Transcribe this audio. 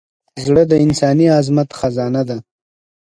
زړه د انساني عظمت خزانه ده.